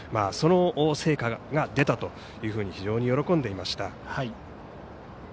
その成果が出たというふうに非常に喜んでいました。